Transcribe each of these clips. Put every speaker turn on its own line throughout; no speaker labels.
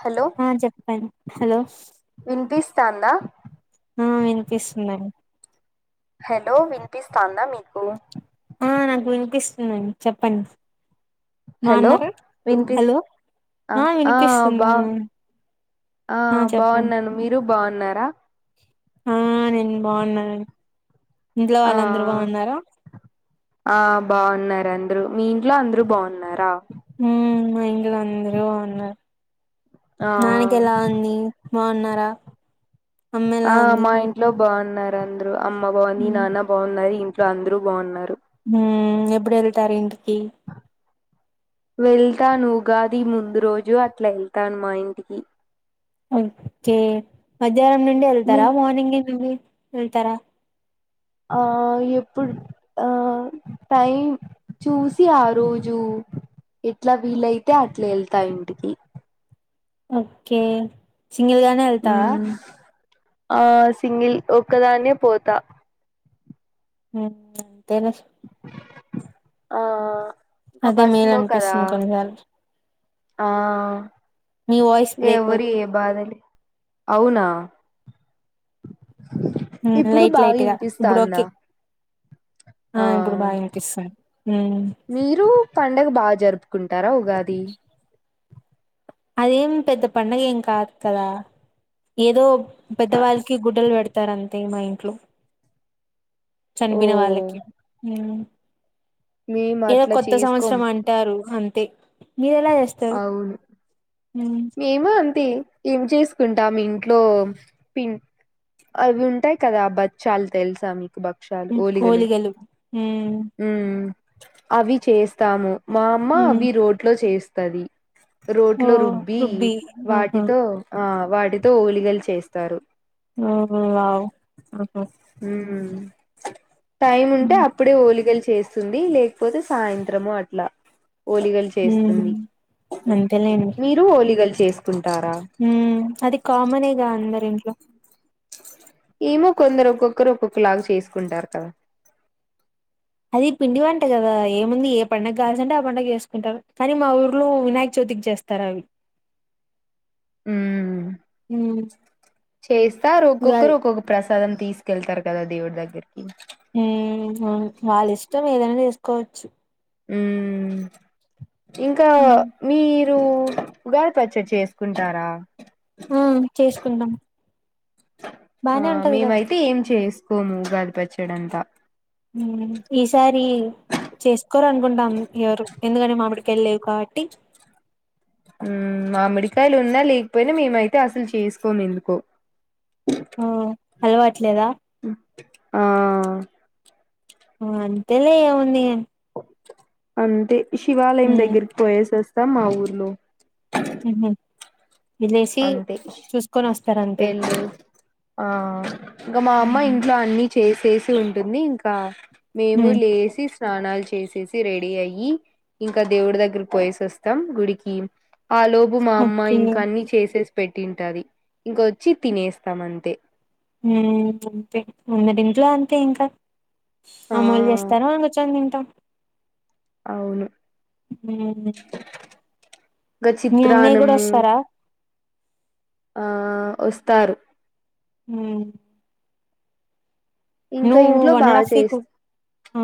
Hello
ఆ చెప్పండి hello
వినిపిస్తాందా
ఆ వినిపిస్తుందండి
హలో వినిపిస్తాందా మీకు
ఆ నాకు వినిపిస్తుందండి చెప్పండి
హలో
బాగున్నారా
విన్పిస్
హలో
ఆ ఆ బా ఆ బావున్నాను మీరు బావున్నారా
ఆ నేన్ బావున్నన్
ఆ ఆ బావున్నర్ రందరు మీ ఇంట్లో అందరు బాగున్నారా
ఊమ్ మా ఇంట్లో అందరు బావున్నారు
ఆ
నానకెలా ఉంది బావున్నారా
ఆ మా ఇంట్లో బాన్నారు అందరూ అమ్మ బావుంది నాన్న బావున్నాయి ఇ ఇంట్లో అందరు బావున్నారు
ఊమ్ ఎప్పుడు ఎళ్తారు ఇంటికి
[inaudible] వెళ్తాను ఉగాది ముందు రోజు అట్లా ఎళ్తాను మా ఇంటికి
ఓకే మధ్యాహ్నం నుండి
మీ
ఎళ్తారా మార్నింగి నుండి ఎళ్తరా
ఆ ఎప్పుడు ఆ టైం చూసి ఆ రోజు ఎట్లా వీలయితే అట్లా ఎళ్తా ఇంటికి
ఓకే సింగిల్గానే ఎళ్తావా
ఆ సింగిల్ ఒక్కదాన్నే పోతా
ఉమ్ అంతేలే
ఆ ఇంకా
అదే
బస్సు
మేలు
లో కదా
అనిపిస్తుంది కొన్నిసార్లు
ఆ
మీ వాయిస్
ఎ
బ్రేక్ అవు
ఎవరి బాధలే అవునా ఇప్పుడు
లైట్
బాగా
లైట్గా ఇప్పుడు కే
వినిపిస్తాందా
ఆ ఇప్పుడు బానే ఇనుపిస్తుంది
మీరు పండగ బాగా జరుపుకుంటారా ఉగాది
అదేం పెద్ద పండగ ఏం కాదు కదా ఏదో పెద్దవాళ్ళకి గుడ్డలు పెడతారు అంతే మా ఇంట్లో.
ఓ
చనిపోయిన వాళ్ళకి
మేము
ఏదో
అట్లా
కొత్త
చేసుకోం
సంవత్సరం అంటారు అంతే మీరెలా జేస్తారు
అవును మేము అంతే ఏం చేసుకుంటా మీ ఇంట్లో పి అవి ఉంటాయి కదా బచ్చాలు తెలుసా మీకు బ బక్షాలు
ఉమ్.
ఓలిగలు
ఉమ్.
అవి చేస్తాము మా అమ్మ
ఉమ్.
అవి రోట్లో చేస్తది
ఓ
రోడ్లో రుబ్బి వాటితో ఆ వాటితో ఓలిగలు చేస్తారు
ఆ ఆవుహ
ఉమ్ టైం ఉంటే
ఉమ్.
అప్పుడే ఓలిగలిచ చేస్తుంది లేకపోతే సాయంత్రము అట్లా ఓలిగలు చేస్తుంది
ఉమ్. అంతేలేండి
మీరు ఓలిగలు చేస్తు
అది కామనేగా అందరు ఇంట్లో
ఏమో కొందరు ఒక్కొక్కరు ఒక్కొక్కలాగా చేసుకుంటారు కదా
అది పిండి వంట కదా ఏ ముంది ఏ పడుగ కాల్సి అంటే ఆ పండగ చేసుకుంటారు కానీ మా ఊర్లు వినాయక చవితికి చే తర అవి
[inaudible]
హ్మ్
చేస్తా ఒక్కొక్కరు
ఉగాది
ర ఒక్కొక్క ప్రశ సదన్ తీసుకెళ్తారు కదా దేవుడి దగ్గరికి.
మ్! వాళ్ళ ఇష్టం ఏదైనా చేసుకోవచ్చు.
మ్! ఇంకా,
ఉమ్,
మీ మీరు ఉగాది పచ్చడి చేసుకుంటారా?
ఆ చేసుకుంటాం.
ఆ
బానే ఉంటది గా
మేమైతే ఏం చేసుకోము. ఉగాది పచ్చడంతా.
ఈసారి చేసుకోరునుకుంటాం. ఎవరు? ఎందుకంటే మామిడి కాయలు లేవు కాబట్టి.
మామిడికాయలు ఉన్నా లేకపోయినా మేమైతే అసలు చేసుకోము ఎందుకో?
ఆ అలవాట్లేదా?
ఆ
ఆ అంతలే ఏముంది గాని
అంతే, శివాలయం
హ్మ్
దగ్గరికి పోయేసి వస్తాం మా ఊర్లో.
ఎల్లేసి
అంతే
చూసుకొని వస్తారు అంతే.
వెళ్ళు ఆ ఇంక మా అమ్మ ఇంట్లో అన్నీ చేచేసి ఉంటుంది ఇంక మేము
హ్మ్
లేచి స్నానాలు చేసేసి రెడీ అయ్యి ఇంకా దేవుడి దగ్గర పోయేసి వస్తాం గుడికి. ఆ లోపు మా అమ్మాయి ఇ
ఓకే
చేసేసి పెట్టింటాది. ఇంకొచ్చి తినేస్తాం అంతే.
అంతే కొందరి ఇంట్లో అంతే ఇంకా.
ఆ
అమ్మోలు చేస్తారు మేంగుచ్చిని తింటాం.
అవును.
హ్మ్
గ
మీ అన్నయ్య కూడా
చిత్రాన్నము.
వస్తారా
ఆ వస్తారు.
మ్!
ఇంకా
నువ్
ఇంట్లో
వన్ అండ్
బాగా
హాఫ్ వీక్
చేస్త
ఆ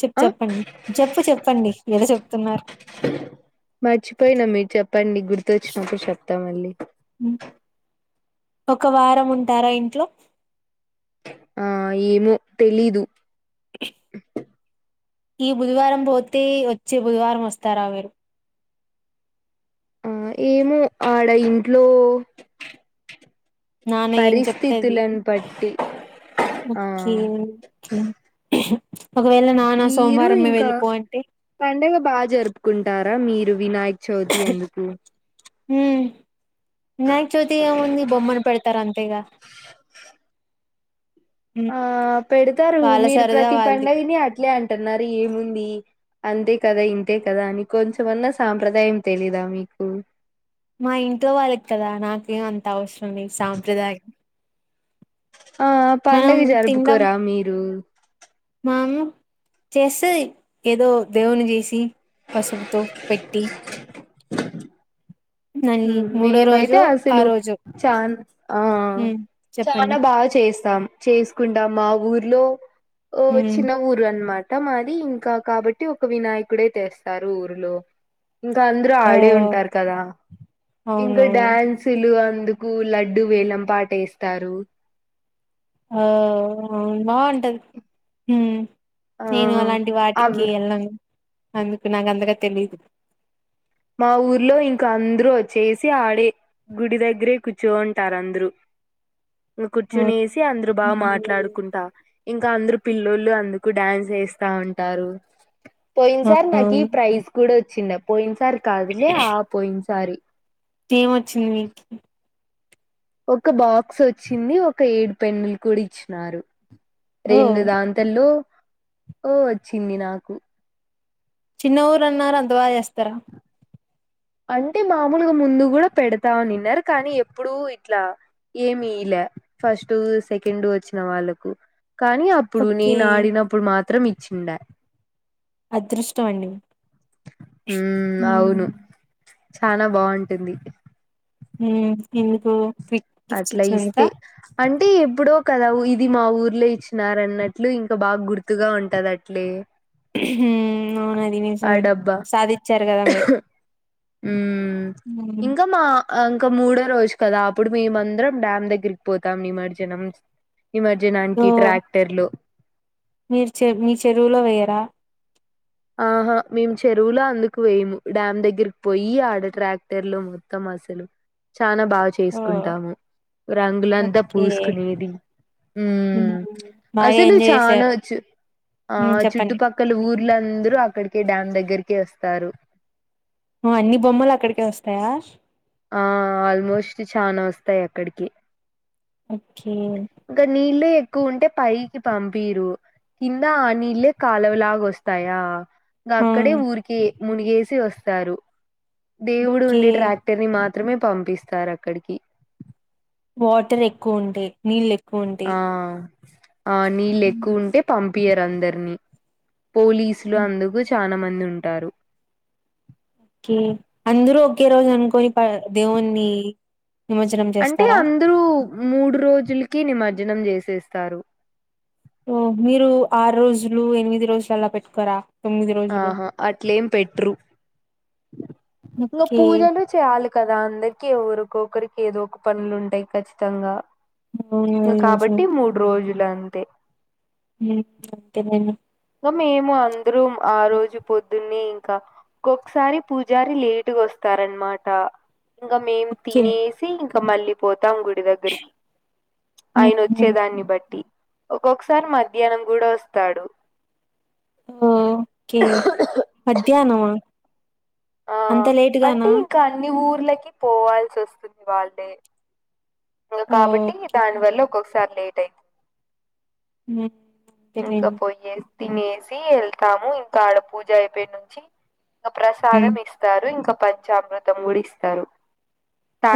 చెప్పు
ఆ
చెప్పండి చెప్పు చెప్పండి. ఏదో చెప్తున్నారు.
మర్చిపోయినా మీరు చెప్పండి గుర్తువచ్చినప్పుడు చెప్తా మళ్ళీ.
హ్మ్ ఒక వారం ఉంటారా ఇంట్లో?
ఆ ఏమో తెలీదు.
[inaudible] ఈ బుధవారం పోతే వచ్చే బుధవారం వస్తారా మీరు?
ఆ ఏమో ఆడ ఇంట్లో.
నాన్న ఏం చెప్తే అది
పరిస్థితులను బట్టి. ఆ
ఓకే, ఓకే ఒకవేళ నాన్న
మీరు,
సోమవారమే
ఇంకా,
వెళ్ళిపో అంటే
పండగ బాగా జరుపుకుంటారు. ఆ మీరు వినాయక్ చవితి ఎందుకు?
హుమ్ వినాయక చవితి ఏముంది బొమ్మను పెడతారు అంతేగా? హ్మ్
ఆ పెడతారు
వాళ్ళ
మీరు
సరదా
ప్రతి
వాళ్ళది
పండుగను అట్లే అంటున్నారు ఏముంది? అంతే కదా ఇంతే కదా అని కొంచమన్నా సాంప్రదాయం తెలీదా మీకు?
మా ఇంట్లో వాళ్ళకి కదా నాకేం అంత అవసరం లేదు సాంప్రదాయం.
ఆ
మనం
పండుగ జరుపుకోరా మీరు?
వామో చేస్తాది. ఏదో దేవున్ని చేసి పసుపుతో పెట్టి
[inaudible]
దాన్ని
మ్!
మూడో
మేమైతే
రోజు ఆ
అసలు
రోజు
చాన్ ఆ
ఉమ్
చాలా
చెప్పండి
బాగా చే చేస్తాం చేసుకుంటాం మా ఊర్లో
ఉమ్
చిన్న ఊరు అన్నమాట. మొత్తం మాది ఇంకా కాబట్టి ఒక వినాయకుడే తెస్తారు ఊర్లో. ఇంకా అందరుూ
ఓ
ఆడే ఉంటారు కదా ఇంకా
అవునవును
డాన్సులు లు అందుకు లడ్డు వేలం పాట వేస్తారు.
ఆ బాగుంటది ఉ
ఆ
నేను అలాంటి వాటికి
అవి
వెళ్ళను అందుకు నాకు అంతగా తెలిదు
మా ఊర్లో ఇంకా అందరు వాచ్చేసి ఆడే గుడి దగ్గరే కూర్చోంటారందరూ
అవునా
కూర్చునేసి అందరు బాగా
ఉమ్
మాట్లాడుకుంటా ఇంకా ఇంకా అందరు పిల్లొలు అందుకు డ్యాన్స్ వేస్తా ఉంటారు పోయిన సారి నాకు
అవునవును
ప్రైజ్ కూడా వచ్చిందా పోయిన సారి కాదులే ఆ పోయిన సారి
ఏమొచ్చింది నీకి
ఒక బాక్స్ వచ్చింది ఒక ఏడు పెన్నులు కూడా ఇచ్చినారు
ఓ
రెండు దాంతల్లో ఓ వచ్చింది నాకు
చిన్న ఊరు అన్నారు అంత బాగా చేస్తారా
అంటే మామూలుగా ముందు కూడా పెడతా అనిన్నారు కానీ ఎప్పుడు ఇట్లా ఏమీ ఇయాల ఫస్ట్ సెకండ్ వచ్చిన వాళ్ళలకు కానీ అప్పుడు
ఓకే
నేను ఆడినప్పుడు మాత్రం ఇచ్చిండ
అదృష్టం అండి
హుమ్
హ్మ్
అవును చాలా బాగుంటుంది
హుమ్ ఎందుకు గిఫ్ట్స్
అట్లా ఇస్తే
ఇచ్చినందుక
అంటే ఎప్పుడో కదా ఇది మా ఊర్లో ఇచ్చినార అన్నట్లు ఇంకా బాగా గుర్తుగా ఉంటది అట్లే
హుమ్ అవును అది
ఆ
నిజమే సాధించారు కదా మీరు
హుమ్
హ్మ్
ఇంగమ్మా ఇంకా మూడో రోజు కదా అప్పుడు మేమందరం డ్యామ్ దగ్గరికి పోతాం నిమజ్జనం
ఓ
నిమర్జనానికి ట్రాక్టర్లు
మీరు చె మీ చెరువులో వేయ్యరా
ఆహా మేము చెరువులో అందుకు వేము డ్యామ్ దగ్గరకి పోయి ఆడ ట్రాక్టర్ లో మొత్తం అసలు చాలా బాగా
ఓ
చేసుకుంటాము రంగులంతా
ఓకే
పూసుకునేది
హ్మ్
హుమ్
బాగా
అసలు
ఎంజాయ్ చేశారు
చానాచ్చు ఆ
హ్మ్ చెప్పండి
చుట్టుపక్కల ఊర్లో అక్కడికి డ్యామ్ దగ్గరకి వస్తారు
ఉ అన్ని బొమ్మలు అక్కడికే వస్తాయా
ఆ ఆల్మోస్ట్ చానా వస్తాయి అక్కడికి
ఓకే
కు ఉంటే పైకి పంపిరు ఇంద ఆ నీళ్లే కాలువ లాగా వస్తాయా గా
ఆ
అక్కడే ఊరికే మునిగేసి వస్తారు దేవుడు
ఓకే
ఉండే ట్రాక్టర్ ని మాత్ త్రమే పంపిస్తారు అక్కడికి
వాటర్ ఎక్కువ ఉంటే నీళ్లు ఎక్కువ ఉంటే
ఆ ఆ నీళ్లు ఎక్కువ ఉంటే పంపియరు అందరినీ పోలీసులు అందుకు చానా మంది ఉంటారు
ఓకే అందరూ ఒకే రోజు అనుకోని పోయి దేవునీ
అంటే అందరూ మూడు రోజులకే నిమజ్జనం చేసేస్తారు
ఓ మీరు ఆరు రోజులు ఎనిమిది రోజులు అలా పెట్టుకోరా తొమ్మిది రోజులు
ఆహా అట్లేం పెట్రు ఇంగా
ఓకే
పూజలు చేయాలి కదా అందరికి ఒరుఒక్కొక్కరికి ఏదో ఒక పనులు ఉంటాయి ఖచ్చితంగా
అవును
ఇంగా
నిజం
కాబట్టి మూడు రోజులు అంతే
హు అంతే నేనా
మీము అందరం ఆ రోజు పొద్దున్నే ఇంకా గోక్కసారి పూజారి లేటుగా వస్తారనమాట ఇంకా మేం
ఓకే
తినేసి ఇంకా మళ్ళీ పోత్ తంగుడి దగ్గరికి ఆయన
ఉహు
వచ్చే దాన్ని బట్టి ఒక్కొక్కసారి మధ్యాహ్నం కూడా వస్తాడు
ఓకే మధ్యాహ్నమా
ఆ
అంత
అంటే
లేటుగానా
ఇంకా అన్ని ఊర్లకి పోవాల్సొస్తుంది వాళ్ళే ఇంకా కాబట్టి
ఓకే
దానివల్ల ఒక్కొక్కసారి లేట్ అయింది.
హు తెలిదు.
పోయేసి తినేసి ఎళ్తాము ఇంకా ఆడ పూజ అయిపోయి నుంచి. ఇంకా
ఉమ్
ప్రసాదం ఇస్తారు ఇంకా పంచామృతం గూడ ఇస్తారు.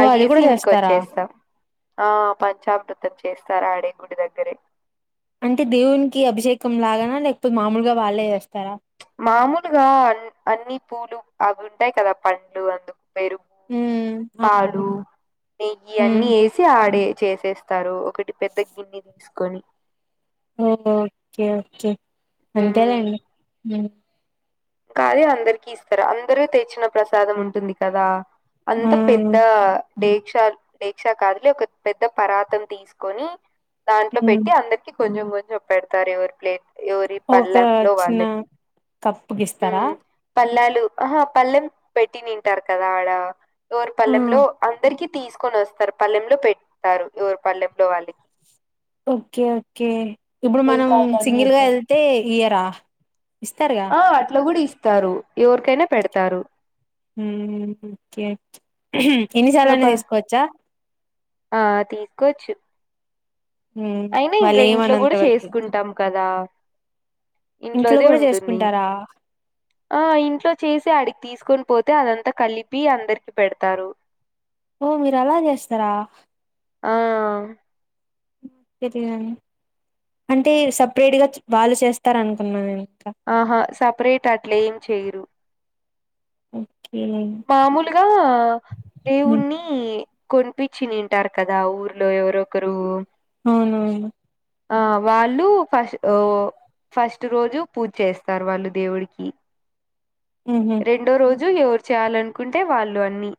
ఓ అది కూడా
ఇంటికి
చేస్తారా
వచ్చేస్తాం. ఆ పంచామృతం చేస్తార్ ఆడే గుడి దగ్గరే.
అంటే దేవునికి అభిషేకం లాగానా, లేకపోతే మామూలుగా వాళ్లే చేస్తారా.
మామూలుగా అన్ అన్ని పూలు అవి ఉంటాయి కదా పండ్లు అందు. పెరుగు,
ఉమ్ అవును
పాలు, నెయ్యి
ఉమ్
అన్నీ ఎసి ఆడే. చేసేస్తారు ఒకటి పెద్దగిన్ని తీసుకొని.
ఉహు ఓకే ఓకే అంతే లేండి.
కానీ అందరికి ఇస్తార. అందరూ తెచ్చిన ప్రసాదం ఉంటుంది కదా.
ఆ
అంత పెద్ద. దీక్ష దీక్షా కాదులే ఒక పెద్ద పరాతం తీసుకొని. దాంట్లో
ఉమ్
పెట్టి అందరికి కొంచెం, కొంచెం పెడతారు ఎవర్ ప్లేట్. యోవరి
ఒక
పల్లెంలో
చిన్న
వాళ్ళకి.
కప్పు గిస్తారా.
దూ అహా పల్లెం పెట్టి నింటారు కదా ఆడ యోవరి
ఆ
పల్లెం లో అందరికి. తీసుకొని వస్తారు పల్లెంలో పెట్తారు ఎవరు పల్లెంలో వాళ్ళకి.
ఓకే ఓకే ఇప్పుడు మనం
టెంకాయలు అన్ని
సింగిల్ గా
ఎత్తారు
ఎళ్తే ఇయ్యరా. ఇస్తారుగా
ఆ అట్లా కూడా ఇస్తారు యోవరికైనా పెడతారు.
ఉహు హు ఓకే ఎన్నిసార్లు
ఇంకా
అన్న
ప
తీసుకోవచ్చా.
ఆ తీసుకోచ్చు. అయినా
వాళ్ళు
ఇంకా ఇంట్లో
ఏమనంత
కూడా
వరకు
చేసుకుంటాం కదా.
ఇంట్లో
ఇంట్లోదే
కూడా
ఉంటుంది.
చేసుకుంటారా
ఆ ఇంట్లో చేసి అడి తీసుకున్. పోతే అదంతా కలిపి అందరికి పెడతారు.
ఓ మీరు అలా చేస్తారా.
ఆ.
ఎటుగననీ అంటే సపరేట్ గా వాళ్ళు చేస్తార అనుకున్నా నేను. ఇంకా
ఆహా సపరేట్ అట్లేం చేయరు.
అ
మామూలుగా
హ్మ్.
దేవుని. కొనిపించి తింటారు కదా ఊర్లో ఎవరొకరు.
అవునవును.
ఆ వాళ్ళు ఫస్ ఓ. ఫస్ట్ రోజు పూజ చేస్తారు వాళ్ళు దేవుడికి.
ఉహు
రెండో రోజు ఎవరు చేయాలనుకుంటే వాళ్లు అన్ని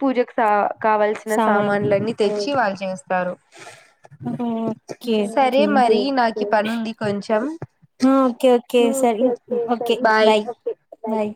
పూజకు స. కావలసిన
సామాన్
సామాన్లన్నీ తెచ్చి వాళ్ళు చేస్తారు.
ఓకే
సరే
ఓకే
మరి నాకి పని ఉంది కొంచెం. Um okay okay bye.
Bye